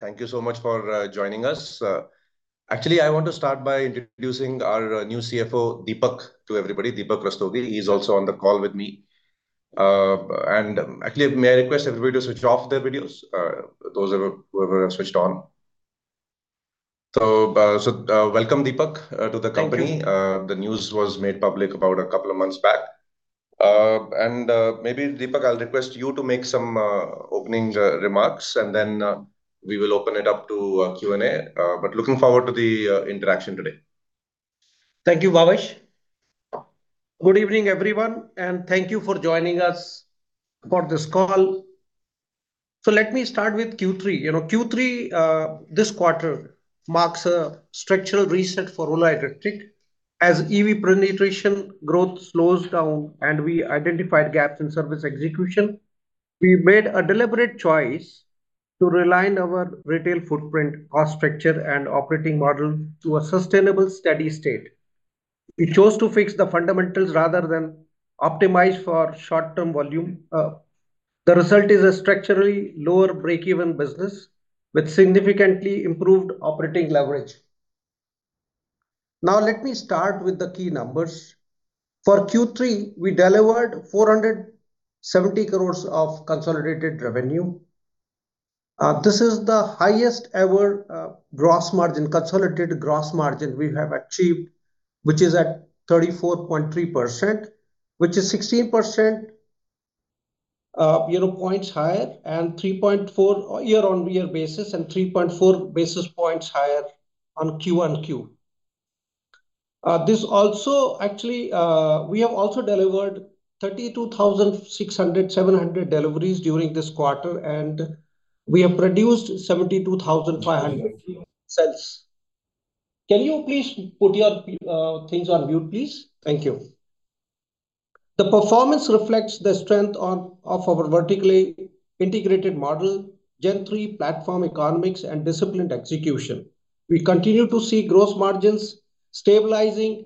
Thank you so much for joining us. Actually, I want to start by introducing our new CFO, Deepak, to everybody, Deepak Rastogi. He is also on the call with me. Actually, may I request everybody to switch off their videos, those of whoever have switched on? So, welcome, Deepak, to the company. Thank you. The news was made public about a couple of months back. Maybe, Deepak, I'll request you to make some opening remarks, and then we will open it up to Q&A. Looking forward to the interaction today. Thank you, Bhavish. Good evening, everyone, and thank you for joining us for this call. So let me start with Q3. You know, Q3, this quarter marks a structural reset for Ola Electric. As EV penetration growth slows down and we identified gaps in service execution, we made a deliberate choice to realign our retail footprint, cost structure, and operating model to a sustainable, steady state. We chose to fix the fundamentals rather than optimize for short-term volume. The result is a structurally lower break-even business with significantly improved operating leverage. Now, let me start with the key numbers. For Q3, we delivered 470 crore of consolidated revenue. This is the highest ever, gross margin, consolidated gross margin we have achieved, which is at 34.3%, which is 16 percentage points higher year-on-year, and 3.4 basis points higher on Q1 QoQ. This also... Actually, we have also delivered 32,600-700 deliveries during this quarter, and we have produced 72,500 cells. Can you please put your p- things on mute, please? Thank you. The performance reflects the strength on, of our vertically integrated model, Gen 3 platform economics, and disciplined execution. We continue to see gross margins stabilizing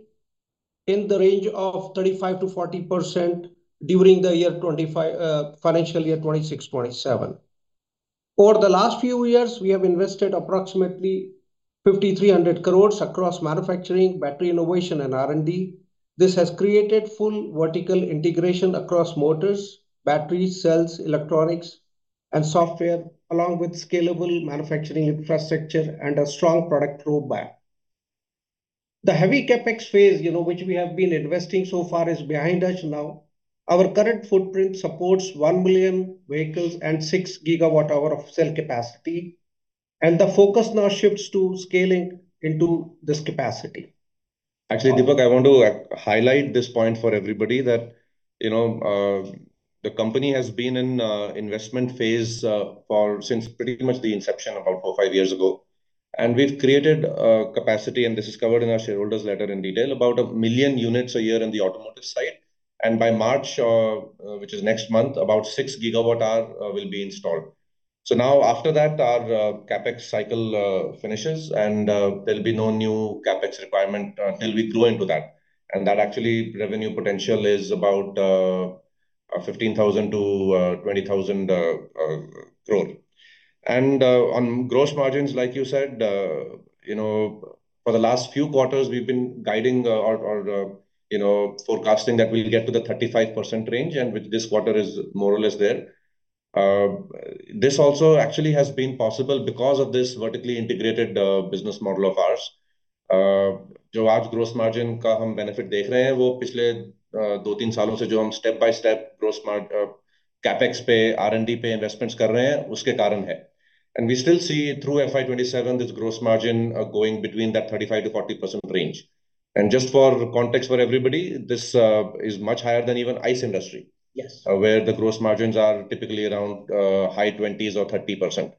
in the range of 35%-40% during the year 2025, financial year 2026, 2027. Over the last few years, we have invested approximately 5,300 crore across manufacturing, battery innovation, and R&D. This has created full vertical integration across motors, battery cells, electronics, and software, along with scalable manufacturing infrastructure and a strong product roadmap. The heavy CapEx phase, you know, which we have been investing so far, is behind us now. Our current footprint supports 1 million vehicles and 6 GWh of cell capacity, and the focus now shifts to scaling into this capacity. Actually, Deepak, I want to highlight this point for everybody that, you know, the company has been in a investment phase for since pretty much the inception about four-five years ago. And we've created capacity, and this is covered in our shareholders' letter in detail, about 1 million units a year on the automotive side. And by March, which is next month, about 6 gigawatt-hours will be installed. So now after that, our CapEx cycle finishes, and there'll be no new CapEx requirement till we grow into that. And that actually revenue potential is about 15,000 crore- 20,000 crore. On gross margins, like you said, you know, for the last few quarters, we've been guiding or you know forecasting that we'll get to the 35% range, and with this quarter is more or less there. This also actually has been possible because of this vertically integrated business model of ours. We still see through FY 2027, this gross margin going between that 35%-40% range. And just for context for everybody, this is much higher than even ICE industry- Yes ...where the gross margins are typically around, high twenties or 30%.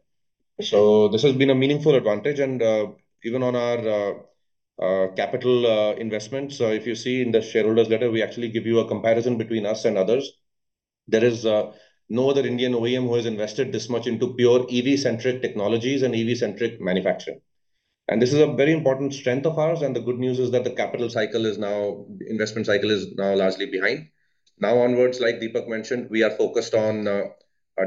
So this has been a meaningful advantage, and, even on our, capital, investment. So if you see in the shareholders letter, we actually give you a comparison between us and others. There is, no other Indian OEM who has invested this much into pure EV-centric technologies and EV-centric manufacturing. And this is a very important strength of ours, and the good news is that the capital cycle is now... investment cycle is now largely behind. Now onwards, like Deepak mentioned, we are focused on,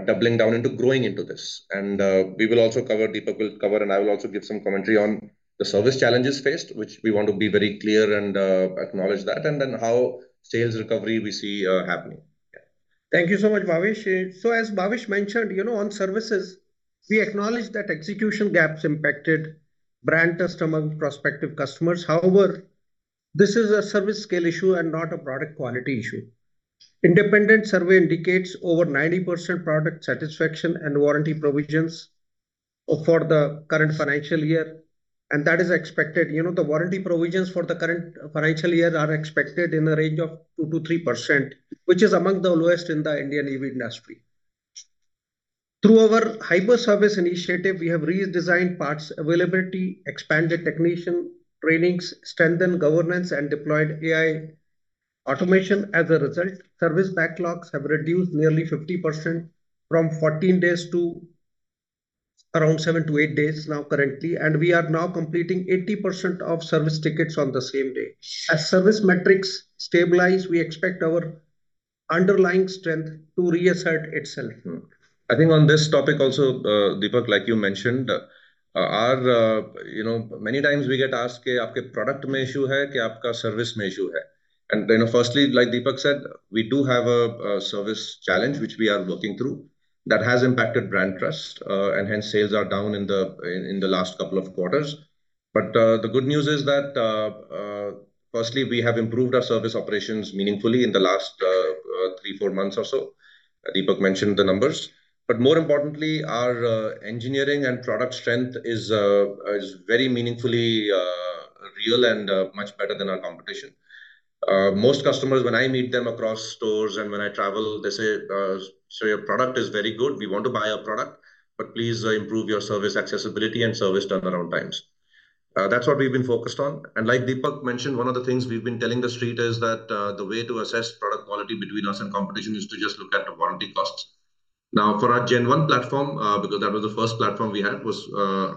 doubling down into growing into this. We will also cover. Deepak will cover, and I will also give some commentary on the service challenges faced, which we want to be very clear and acknowledge that, and then how sales recovery we see happening. Yeah. Thank you so much, Bhavish. So as Bhavish mentioned, you know, on services, we acknowledge that execution gaps impacted brand trust among prospective customers. However, this is a service scale issue and not a product quality issue. Independent survey indicates over 90% product satisfaction and warranty provisions for the current financial year, and that is expected. You know, the warranty provisions for the current financial year are expected in the range of 2%-3%, which is among the lowest in the Indian EV industry. Through our hyper service initiative, we have redesigned parts availability, expanded technician trainings, strengthened governance, and deployed AI automation. As a result, service backlogs have reduced nearly 50% from 14 days to around 7-8 days now currently, and we are now completing 80% of service tickets on the same day. As service metrics stabilize, we expect our-... underlying strength to reassert itself. Mm-hmm. I think on this topic also, Deepak, like you mentioned, our, you know, many times we get asked, "Ke aapke product mein issue hai ke aapka service mein issue hai?" You know, firstly, like Deepak said, we do have a service challenge which we are working through, that has impacted brand trust, and hence sales are down in the last couple of quarters. But, the good news is that, firstly, we have improved our service operations meaningfully in the last three, four months or so. Deepak mentioned the numbers. But more importantly, our engineering and product strength is very meaningfully real and much better than our competition. Most customers, when I meet them across stores and when I travel, they say, "Sir, your product is very good, we want to buy your product, but please, improve your service accessibility and service turnaround times." That's what we've been focused on. And like Deepak mentioned, one of the things we've been telling the street is that, the way to assess product quality between us and competition is to just look at the warranty costs. Now, for our Gen One platform, because that was the first platform we had, was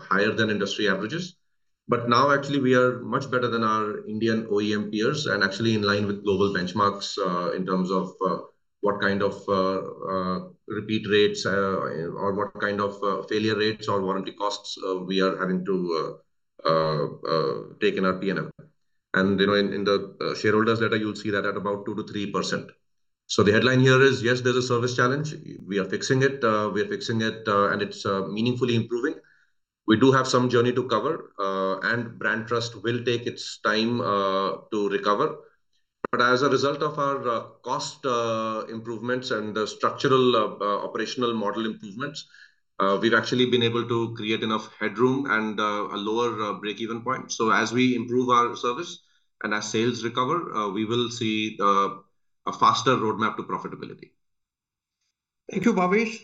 higher than industry averages. But now actually we are much better than our Indian OEM peers, and actually in line with global benchmarks, in terms of what kind of repeat rates or what kind of failure rates or warranty costs we are having to take in our P&L. And, you know, in the shareholders' letter, you'll see that at about 2%-3%. So the headline here is, yes, there's a service challenge. We are fixing it, we are fixing it, and it's meaningfully improving. We do have some journey to cover, and brand trust will take its time to recover. But as a result of our cost improvements and the structural operational model improvements, we've actually been able to create enough headroom and a lower break-even point. So as we improve our service and as sales recover, we will see a faster roadmap to profitability. Thank you, Bhavish.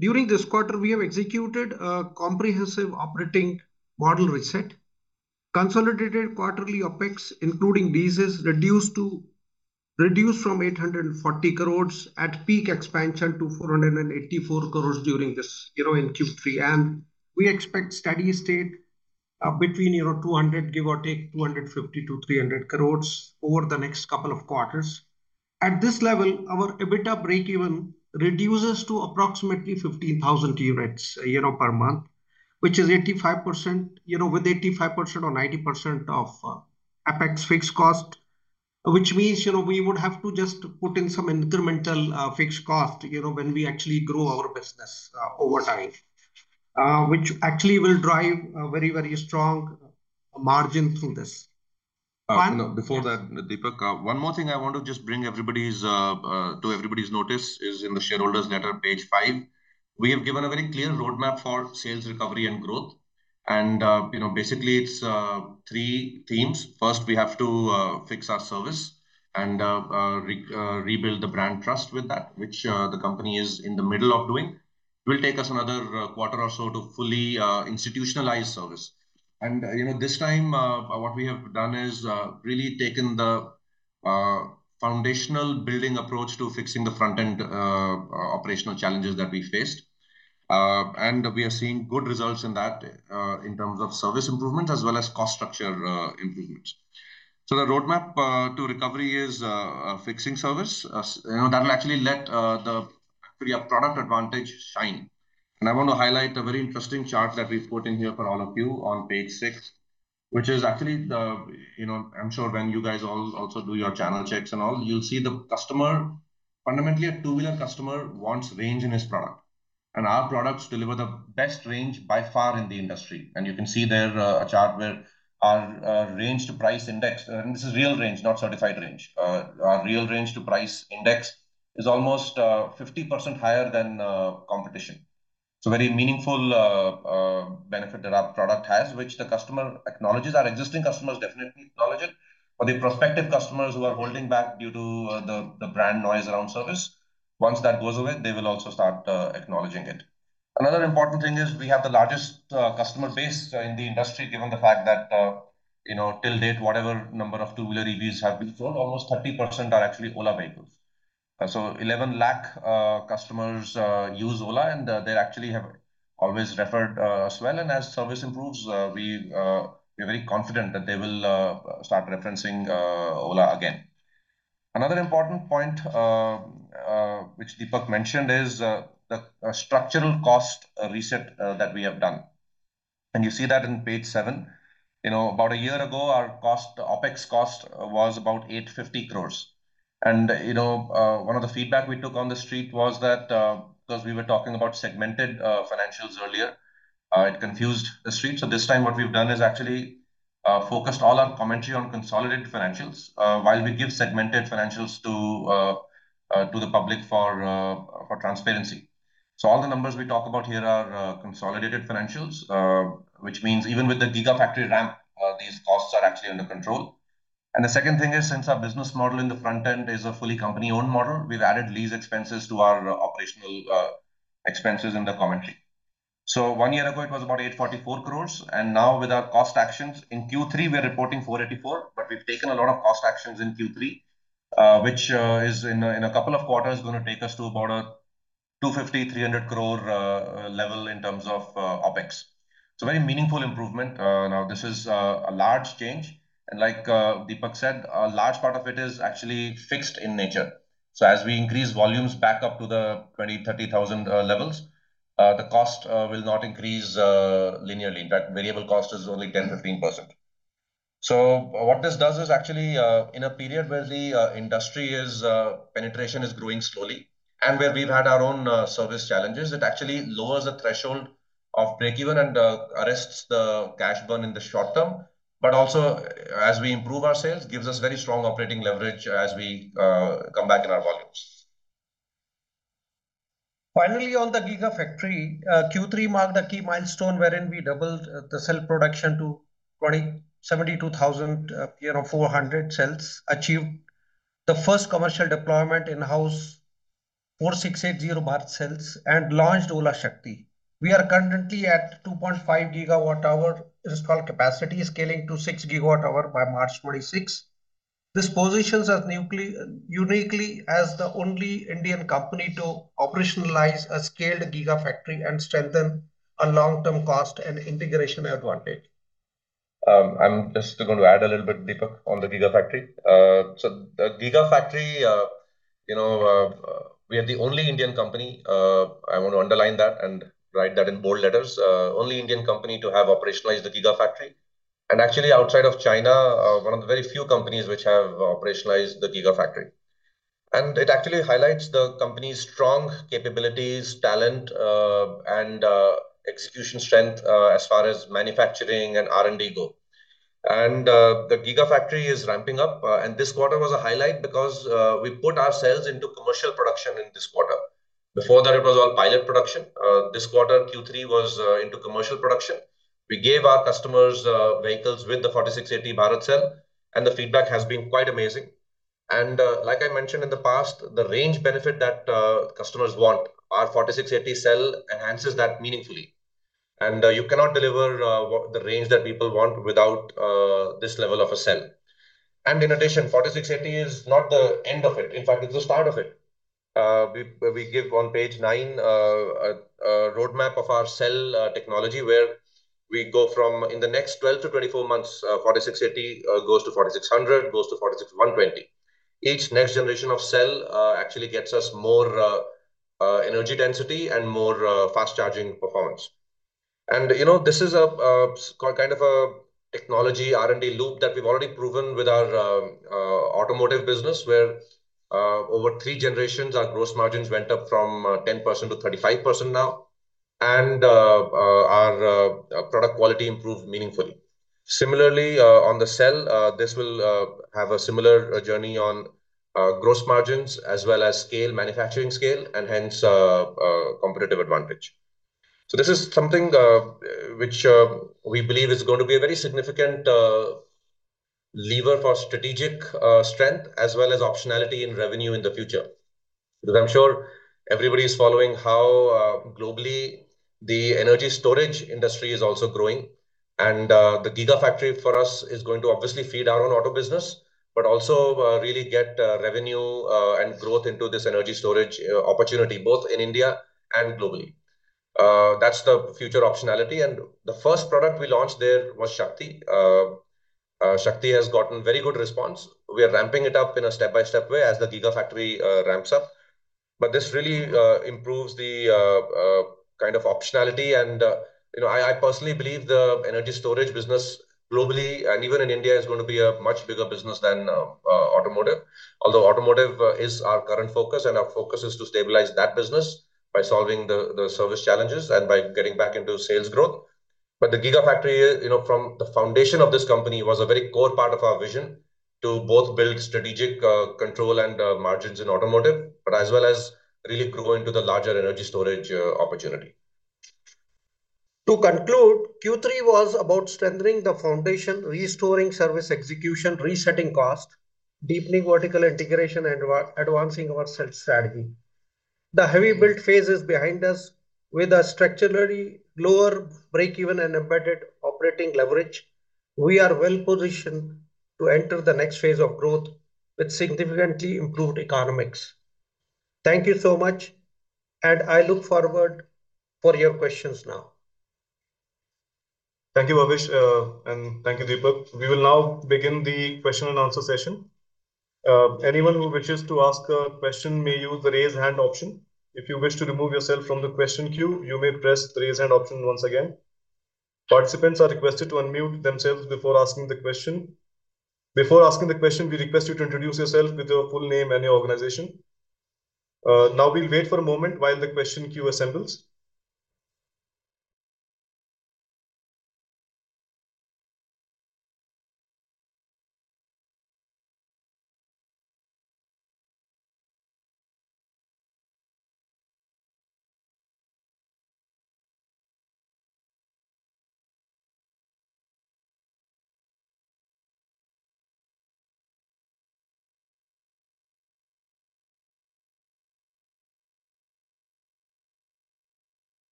During this quarter, we have executed a comprehensive operating model reset. Consolidated quarterly OpEx, including leases, reduced from 840 crore at peak expansion to 484 crore during this, you know, in Q3. And we expect steady state, between, you know, 200 crore, give or take, 250 crore-300 crore over the next couple of quarters. At this level, our EBITDA breakeven reduces to approximately 15,000 units, you know, per month, which is 85%, you know, with 85% or 90% of, OpEx fixed cost. Which means, you know, we would have to just put in some incremental, fixed cost, you know, when we actually grow our business, over time. Which actually will drive a very, very strong margin through this. No, before that, Deepak, one more thing I want to just bring to everybody's notice, is in the shareholders' letter, page five. We have given a very clear roadmap for sales recovery and growth, and, you know, basically it's three themes. First, we have to fix our service and rebuild the brand trust with that, which the company is in the middle of doing. It will take us another quarter or so to fully institutionalize service. And, you know, this time, what we have done is really taken the foundational building approach to fixing the front-end operational challenges that we faced. And we are seeing good results in that, in terms of service improvement as well as cost structure improvements. So the roadmap to recovery is fixing service. You know, that will actually let our product advantage shine. And I want to highlight a very interesting chart that we've put in here for all of you on page six, which is actually the... You know, I'm sure when you guys also do your channel checks and all, you'll see the customer. Fundamentally, a two-wheeler customer wants range in his product, and our products deliver the best range by far in the industry. And you can see there a chart where our range-to-price index, and this is real range, not certified range. Our real range to price index is almost 50% higher than competition. It's a very meaningful benefit that our product has, which the customer acknowledges. Our existing customers definitely acknowledge it. For the prospective customers who are holding back due to the brand noise around service, once that goes away, they will also start acknowledging it. Another important thing is we have the largest customer base in the industry, given the fact that, you know, till date, whatever number of two-wheeler EVs have been sold, almost 30% are actually Ola vehicles. So 11 lakh customers use Ola, and they actually have always referred as well. And as service improves, we're very confident that they will start referencing Ola again. Another important point which Deepak mentioned is the structural cost reset that we have done, and you see that in page seven. You know, about a year ago, our cost, OpEx cost, was about 850 crore. You know, one of the feedback we took on the street was that, because we were talking about segmented financials earlier, it confused the street. So this time what we've done is actually focused all our commentary on consolidated financials, while we give segmented financials to the public for transparency. So all the numbers we talk about here are consolidated financials, which means even with the Gigafactory ramp, these costs are actually under control. And the second thing is, since our business model in the front end is a fully company-owned model, we've added lease expenses to our operational expenses in the commentary. So one year ago, it was about 844 crore, and now with our cost actions, in Q3, we are reporting 484. But we've taken a lot of cost actions in Q3, which is in a couple of quarters gonna take us to about 250 crore-300 crore level in terms of OpEx. So very meaningful improvement. Now, this is a large change, and like Deepak said, a large part of it is actually fixed in nature. So as we increase volumes back up to the 20,000-30,000 levels, the cost will not increase linearly. That variable cost is only 10%-15%. So what this does is actually, in a period where the industry penetration is growing slowly and where we've had our own service challenges, it actually lowers the threshold of breakeven and arrests the cash burn in the short term, but also as we improve our sales, gives us very strong operating leverage as we come back in our volumes. Finally, on the Gigafactory, Q3 marked a key milestone wherein we doubled the cell production to 27,400 cells, achieved the first commercial deployment in-house 4680 Bharat cells, and launched Ola Shakti. We are currently at 2.5 GWh installed capacity, scaling to 6 GWh by March 2026. This positions us uniquely as the only Indian company to operationalize a scaled Gigafactory and strengthen a long-term cost and integration advantage. I'm just going to add a little bit, Deepak, on the Gigafactory. So the Gigafactory, you know, we are the only Indian company, I want to underline that and write that in bold letters, only Indian company to have operationalized the Gigafactory. And actually, outside of China, one of the very few companies which have operationalized the Gigafactory. And it actually highlights the company's strong capabilities, talent, and execution strength, as far as manufacturing and R&D go. And the Gigafactory is ramping up, and this quarter was a highlight because we put our cells into commercial production in this quarter. Before that, it was all pilot production. This quarter, Q3, was into commercial production. We gave our customers vehicles with the 4680 Bharat cell, and the feedback has been quite amazing. Like I mentioned in the past, the range benefit that customers want, our 4680 cell enhances that meaningfully. You cannot deliver the range that people want without this level of a cell. In addition, 4680 is not the end of it. In fact, it's the start of it. We give on page nine a roadmap of our cell technology, where we go from, in the next 12-24 months, 4680 goes to 4600, goes to 46120. Each next generation of cell actually gets us more energy density and more fast charging performance. You know, this is a kind of a technology R&D loop that we've already proven with our automotive business, where over three generations, our gross margins went up from 10%-35% now, and our product quality improved meaningfully. Similarly, on the cell, this will have a similar journey on gross margins as well as scale, manufacturing scale, and hence competitive advantage. This is something which we believe is going to be a very significant lever for strategic strength as well as optionality in revenue in the future. Because I'm sure everybody is following how globally the energy storage industry is also growing, and the Gigafactory for us is going to obviously feed our own auto business, but also really get revenue and growth into this energy storage opportunity, both in India and globally. That's the future optionality, and the first product we launched there was Shakti. Shakti has gotten very good response. We are ramping it up in a step-by-step way as the Gigafactory ramps up. But this really improves the kind of optionality and you know, I personally believe the energy storage business globally, and even in India, is going to be a much bigger business than automotive. Although automotive is our current focus, and our focus is to stabilize that business by solving the service challenges and by getting back into sales growth. But the Gigafactory, you know, from the foundation of this company, was a very core part of our vision to both build strategic control and margins in automotive, but as well as really grow into the larger energy storage opportunity. To conclude, Q3 was about strengthening the foundation, restoring service execution, resetting cost, deepening vertical integration, and advancing our cell strategy. The heavy build phase is behind us. With a structurally lower breakeven and embedded operating leverage, we are well positioned to enter the next phase of growth with significantly improved economics. Thank you so much, and I look forward for your questions now. Thank you, Abhishek, and thank you, Deepak. We will now begin the question and answer session. Anyone who wishes to ask a question may use the raise hand option. If you wish to remove yourself from the question queue, you may press the raise hand option once again. Participants are requested to unmute themselves before asking the question. Before asking the question, we request you to introduce yourself with your full name and your organization. Now we'll wait for a moment while the question queue assembles.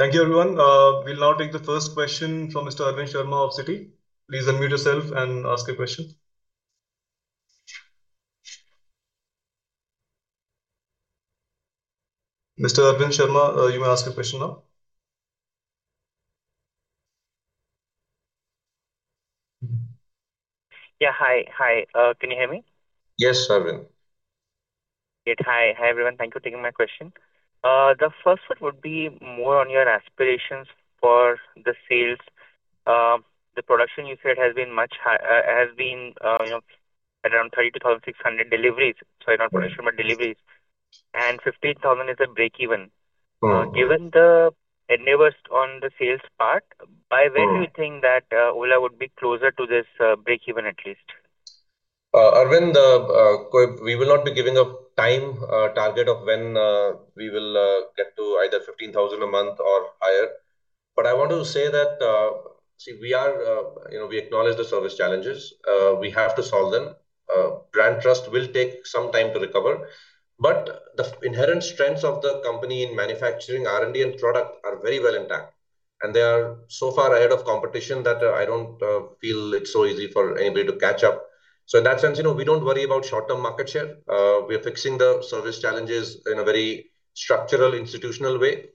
Thank you, everyone. We'll now take the first question from Mr. Arvind Sharma of Citi. Please unmute yourself and ask your question. Mr. Arvind Sharma, you may ask your question now. Yeah. Hi, hi. Can you hear me? Yes, Arvind. Great. Hi. Hi, everyone. Thank you for taking my question. The first one would be more on your aspirations for the sales. The production, you said, has been much high, you know, around 32,600 deliveries. Sorry, not production, but deliveries. And 15,000 is the breakeven. Mm-hmm. Given the endeavors on the sales part, by when- Mm-hmm Do you think that Ola would be closer to this breakeven, at least? Arvind, we will not be giving a time target of when we will get to either 15,000 a month or higher. But I want to say that. You know, we acknowledge the service challenges, we have to solve them. Brand trust will take some time to recover. But the inherent strengths of the company in manufacturing, R&D, and product are very well intact, and they are so far ahead of competition that, I don't feel it's so easy for anybody to catch up. So in that sense, you know, we don't worry about short-term market share. We are fixing the service challenges in a very structural, institutional way.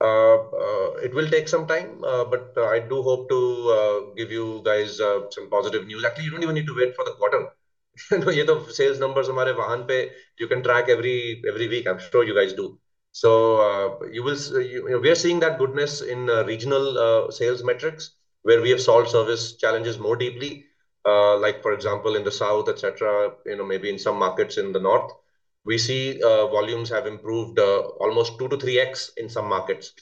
It will take some time, but I do hope to give you guys some positive news. Actually, you don't even need to wait for the quarter. You know, sales numbers, you can track every week. I'm sure you guys do. So you will. You know, we are seeing that goodness in regional sales metrics, where we have solved service challenges more deeply. Like for example, in the south, et cetera, you know, maybe in some markets in the north. We see volumes have improved almost 2x-3x in some markets,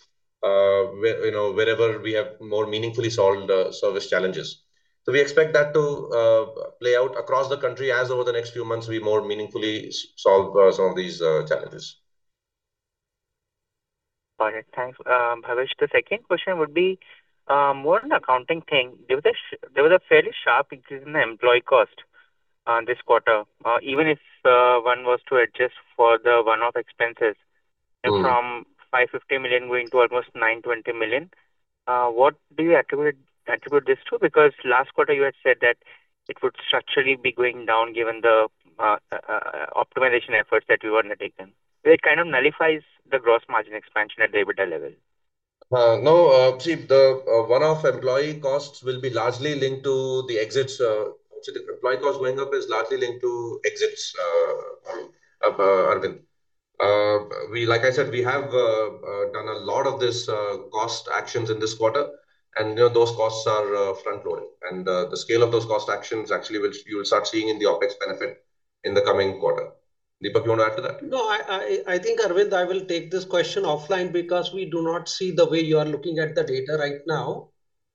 where you know, wherever we have more meaningfully solved service challenges. So we expect that to play out across the country as over the next few months we more meaningfully solve some of these challenges. Got it. Thanks, Bhavish. The second question would be more an accounting thing. There was a fairly sharp increase in the employee cost this quarter, even if one was to adjust for the one-off expenses- Mm-hmm... from 550 million going to almost 920 million. What do you attribute, attribute this to? Because last quarter you had said that it would structurally be going down, given the optimization efforts that you wanted to taken. So it kind of nullifies the gross margin expansion at the EBITDA level. No, see, the one-off employee costs will be largely linked to the exits. So the employee cost going up is largely linked to exits, Arvind. We, like I said, we have done a lot of this cost actions in this quarter, and, you know, those costs are front-loaded. And the scale of those cost actions actually, which you will start seeing in the OpEx benefit in the coming quarter. Deepak, you want to add to that? No, I think, Arvind, I will take this question offline because we do not see the way you are looking at the data right now.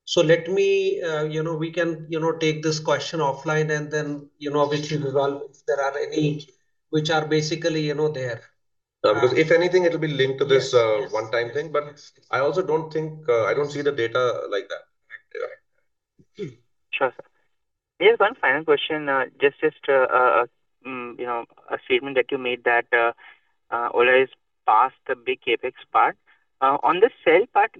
So let me, you know, we can, you know, take this question offline and then, you know, we'll resolve if there are any, which are basically, you know, there. Because if anything, it'll be linked to this- Yes, yes... one-time thing. But I also don't think, I don't see the data like that. Sure, sir. Just one final question. Just, you know, a statement that you made that Ola is past the big CapEx part. On the sale part,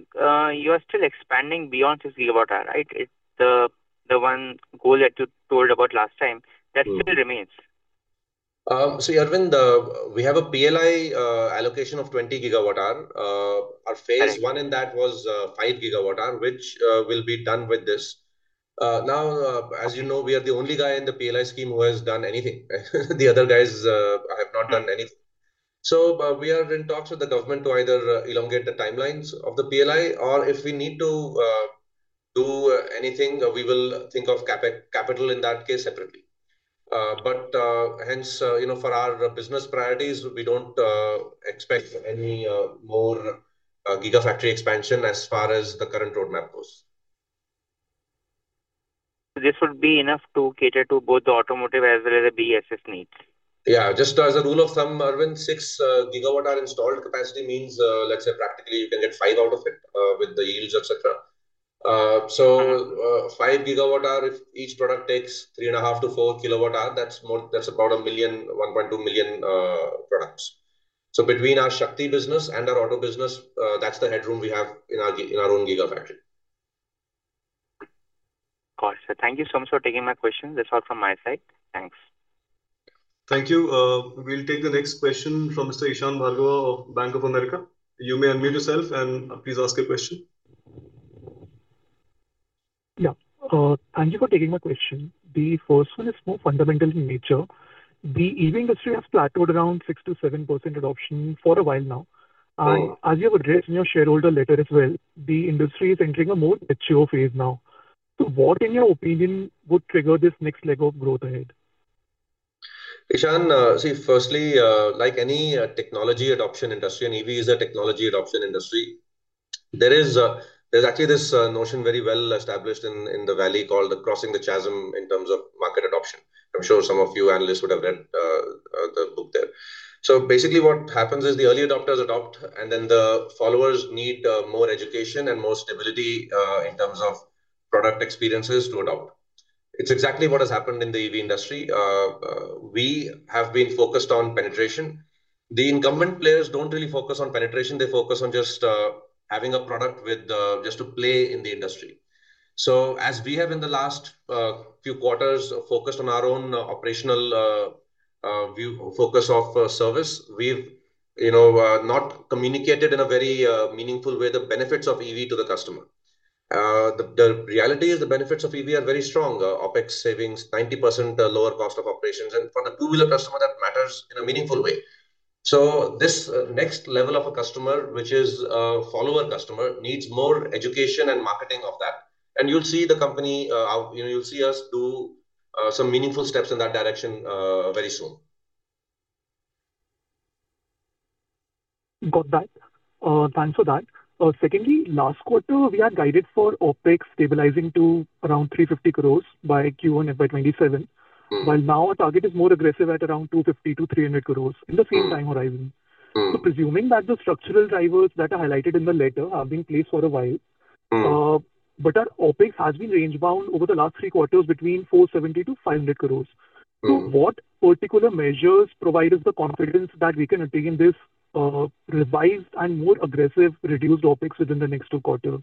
you are still expanding beyond this gigawatt hour, right? It's the one goal that you told about last time- Mm-hmm... that still remains. So, Arvind, we have a PLI allocation of 20 GWh. Our phase- Right... one in that was 5 GWh, which will be done with this. Now, as you know, we are the only guy in the PLI scheme who has done anything. The other guys have not done anything. So, we are in talks with the government to either elongate the timelines of the PLI or if we need to do anything, we will think of CapEx in that case separately. But hence, you know, for our business priorities, we don't expect any more Gigafactory expansion as far as the current roadmap goes. This would be enough to cater to both the automotive as well as the BESS needs? Yeah, just as a rule of thumb, Arvind, 6 gigawatt hour installed capacity means, let's say practically you can get 5 out of it, with the yields, et cetera. So- Mm-hmm... five GWh, if each product takes 3.5 kWh-4 kWh, that's more—that's about 1 million, 1.2 million products. So between our Shakti business and our auto business, that's the headroom we have in our in our own Gigafactory. Got it, sir. Thank you so much for taking my question. That's all from my side. Thanks. Thank you. We'll take the next question from Mr. Ishan Bhargava of Bank of America. You may unmute yourself and please ask your question. Yeah. Thank you for taking my question. The first one is more fundamental in nature. The EV industry has plateaued around 6%-7% adoption for a while now.... As you have addressed in your shareholder letter as well, the industry is entering a more mature phase now. So what, in your opinion, would trigger this next leg of growth ahead? Ishan, see, firstly, like any technology adoption industry, and EV is a technology adoption industry, there is, there's actually this notion very well established in the valley called Crossing the Chasm in terms of market adoption. I'm sure some of you analysts would have read the book there. So basically what happens is the early adopters adopt, and then the followers need more education and more stability in terms of product experiences to adopt. It's exactly what has happened in the EV industry. We have been focused on penetration. The incumbent players don't really focus on penetration, they focus on just having a product with the-just to play in the industry. So as we have in the last few quarters focused on our own operational view, focus of service, we've, you know, not communicated in a very meaningful way the benefits of EV to the customer. The reality is the benefits of EV are very strong. OpEx savings, 90% lower cost of operations, and for the two-wheeler customer, that matters in a meaningful way. So this next level of a customer, which is follower customer, needs more education and marketing of that. And you'll see the company. You know, you'll see us do some meaningful steps in that direction very soon. Got that. Thanks for that. Secondly, last quarter, we are guided for OpEx stabilizing to around 350 crores by Q1 FY 2027. Mm. While now our target is more aggressive at around 250 crores- 300 crores- Mm. in the same time horizon. Mm. Presuming that the structural drivers that are highlighted in the letter have been in place for a while- Mm. Our OpEx has been range-bound over the last three quarters between 470 crore-500 crore. Mm. What particular measures provide us the confidence that we can attain this revised and more aggressive reduced OpEx within the next two quarters?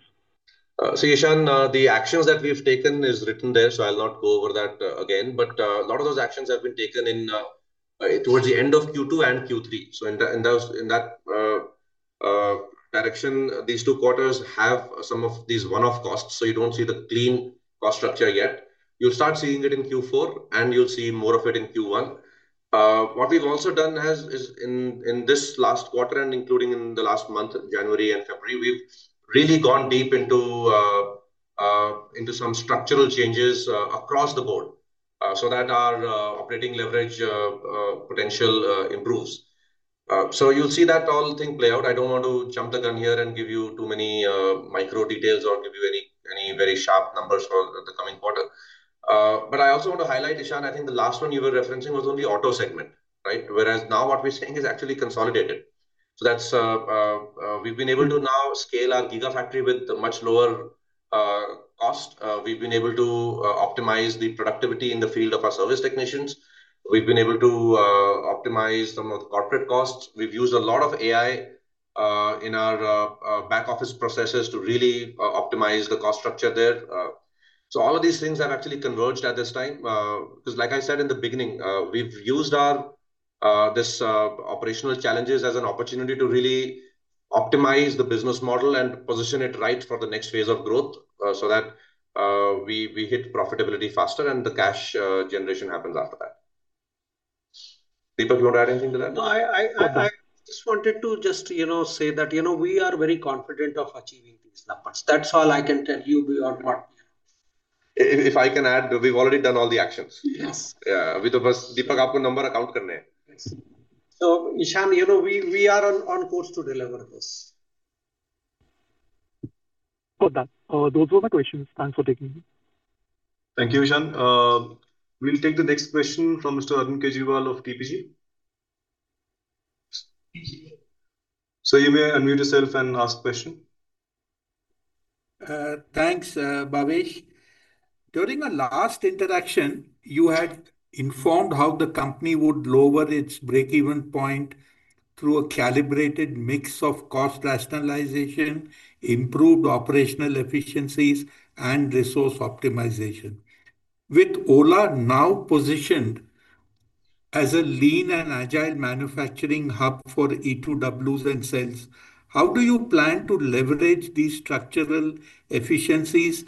So, Ishan, the actions that we've taken is written there, so I'll not go over that again. But, a lot of those actions have been taken in towards the end of Q2 and Q3. So in that direction, these two quarters have some of these one-off costs, so you don't see the clean cost structure yet. You'll start seeing it in Q4, and you'll see more of it in Q1. What we've also done is in this last quarter and including in the last month, January and February, we've really gone deep into some structural changes across the board, so that our operating leverage potential improves. So you'll see that whole thing play out. I don't want to jump the gun here and give you too many micro details or give you any very sharp numbers for the coming quarter. But I also want to highlight, Ishan, I think the last one you were referencing was on the auto segment, right? Whereas now what we're saying is actually consolidated. So that's we've been able to now scale our Gigafactory with a much lower cost. We've been able to optimize the productivity in the field of our service technicians. We've been able to optimize some of the corporate costs. We've used a lot of AI in our back office processes to really optimize the cost structure there. So all of these things have actually converged at this time, 'cause like I said in the beginning, we've used our this operational challenges as an opportunity to really optimize the business model and position it right for the next phase of growth, so that we, we hit profitability faster and the cash generation happens after that. Deepak, you want to add anything to that? No, I just wanted to, you know, say that, you know, we are very confident of achieving these numbers. That's all I can tell you, we are not- If I can add, we've already done all the actions. Yes. Yeah. We just... Deepak, number account. Ishan, you know, we are on course to deliver this. Got that. Those were my questions. Thanks for taking me. Thank you, Ishan. We'll take the next question from Mr. Arun Kejriwal of TPG. Sir, you may unmute yourself and ask the question. Thanks, Bhavish. During our last interaction, you had informed how the company would lower its break-even point through a calibrated mix of cost rationalization, improved operational efficiencies, and resource optimization. With Ola now positioned as a lean and agile manufacturing hub for E2Ws and cells, how do you plan to leverage these structural efficiencies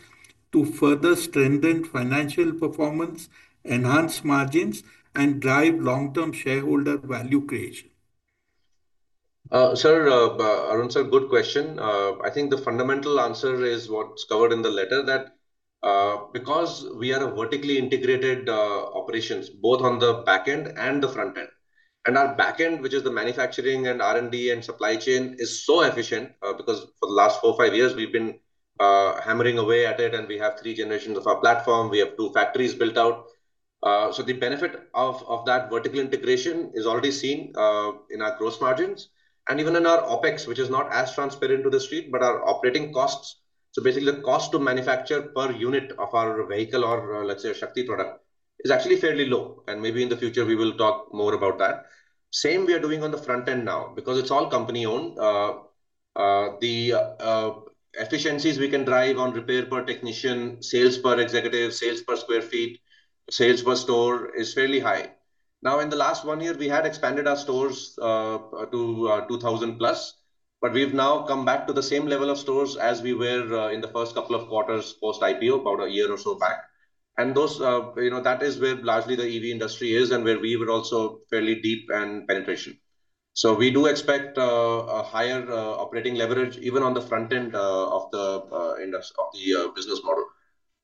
to further strengthen financial performance, enhance margins, and drive long-term shareholder value creation? Sir, Arun, sir, good question. I think the fundamental answer is what's covered in the letter, that because we are a vertically integrated operations, both on the back end and the front end. Our back end, which is the manufacturing and R&D and supply chain, is so efficient because for the last four-five years, we've been hammering away at it, and we have three generations of our platform. We have two factories built out. So the benefit of that vertical integration is already seen in our gross margins, and even in our OpEx, which is not as transparent to the street, but our operating costs. So basically, the cost to manufacture per unit of our vehicle or, let's say, a Shakti product, is actually fairly low, and maybe in the future we will talk more about that. Same we are doing on the front end now, because it's all company-owned. The efficiencies we can drive on repair per technician, sales per executive, sales per sq ft, sales per store, is fairly high. Now, in the last one year, we had expanded our stores to 2,000+, but we've now come back to the same level of stores as we were in the first couple of quarters post-IPO, about a year or so back. And those, you know, that is where largely the EV industry is, and where we were also fairly deep and penetration. So we do expect a higher operating leverage even on the front end of the business model.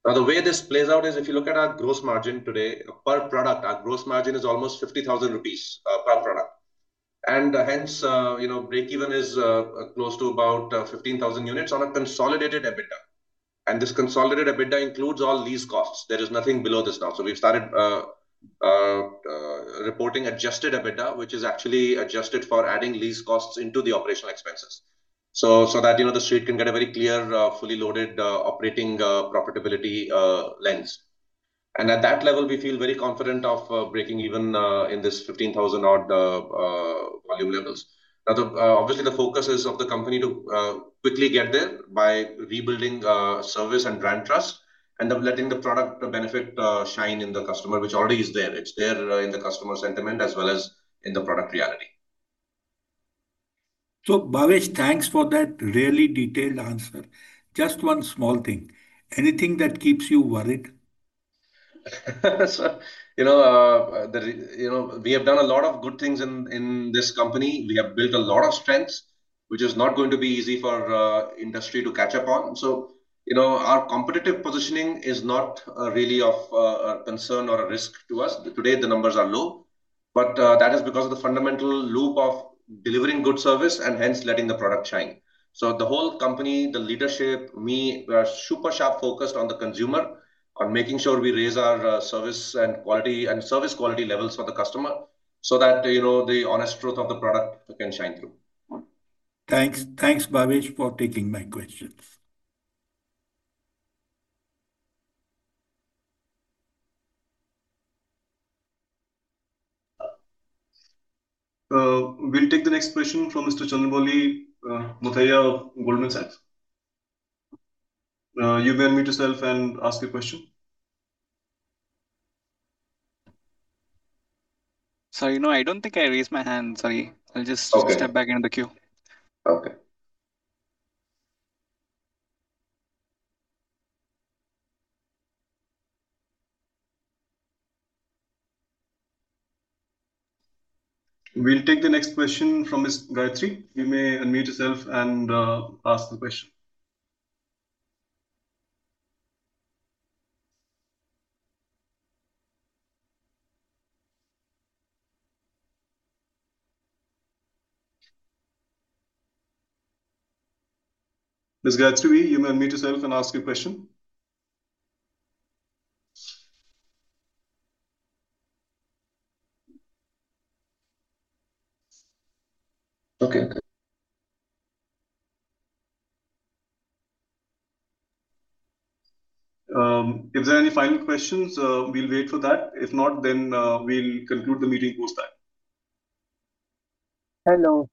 Now, the way this plays out is if you look at our gross margin today, per product, our gross margin is almost 50,000 rupees per product. And hence, you know, break even is close to about 15,000 units on a consolidated EBITDA. And this consolidated EBITDA includes all lease costs. There is nothing below this now. So we've started reporting adjusted EBITDA, which is actually adjusted for adding lease costs into the operational expenses. So that, you know, the street can get a very clear fully loaded operating profitability lens. And at that level, we feel very confident of breaking even in this 15,000-odd volume levels. Now, obviously, the focus is of the company to quickly get there by rebuilding service and brand trust, and of letting the product benefit shine in the customer, which already is there. It's there in the customer sentiment as well as in the product reality. Bhavish, thanks for that really detailed answer. Just one small thing. Anything that keeps you worried? Sir, you know, the, you know, we have done a lot of good things in, in this company. We have built a lot of strengths, which is not going to be easy for, industry to catch up on. So, you know, our competitive positioning is not, really of, a concern or a risk to us. Today, the numbers are low, but, that is because of the fundamental loop of delivering good service and hence letting the product shine. So the whole company, the leadership, me, we are super sharp focused on the consumer, on making sure we raise our, service and quality, and service quality levels for the customer, so that, you know, the honest truth of the product can shine through. Thanks. Thanks, Bhavish, for taking my questions. We'll take the next question from Mr. Chandramouli Muthiah of Goldman Sachs. You may unmute yourself and ask your question. Sir, you know, I don't think I raised my hand. Sorry. I'll just- Okay. Step back into the queue. Okay. We'll take the next question from Ms. Gayatri. You may unmute yourself and ask the question. Ms. Gayatri, you may unmute yourself and ask your question. Okay. If there are any final questions, we'll wait for that. If not, then we'll conclude the meeting post that. Hello.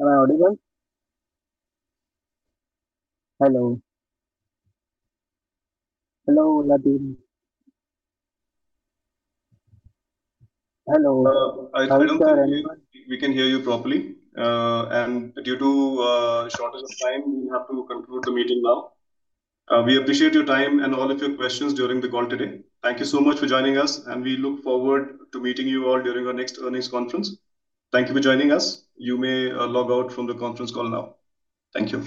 Am I audible? Hello? Hello, Nadin. Hello. I think we can hear you, we can hear you properly. Due to shortage of time, we have to conclude the meeting now. We appreciate your time and all of your questions during the call today. Thank you so much for joining us, and we look forward to meeting you all during our next earnings conference. Thank you for joining us. You may log out from the conference call now. Thank you.